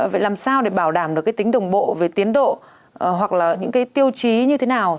vậy làm sao để bảo đảm được cái tính đồng bộ về tiến độ hoặc là những cái tiêu chí như thế nào